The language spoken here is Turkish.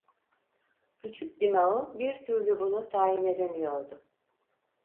Küçük dimağı bir türlü bunu tayin edemiyordu.